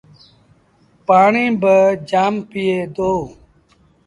پآڻيٚ با جآم پييٚئي دو۔